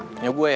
ini punya gue ya